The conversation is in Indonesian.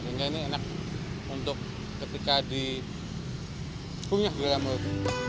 sehingga ini enak untuk ketika dipunyah di dalam mulut